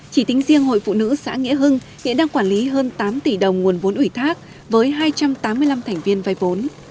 chỉ tính riêng hội phụ nữ xã nghĩa hưng hiện đang quản lý hơn tám tỷ đồng nguồn vốn ủy thác với hai trăm tám mươi năm thành viên vay vốn